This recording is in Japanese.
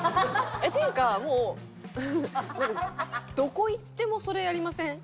っていうかもうどこ行ってもそれやりません？